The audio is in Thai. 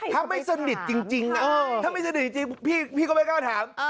ถ้าไม่สนิทจริงถ้าไม่สนิทจริงพี่ก็ไม่กล้าถาม